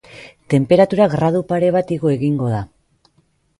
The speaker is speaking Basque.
Tenperatura gradu pare bat igo egingo da.